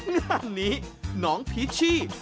งานนี้น้องพีชี่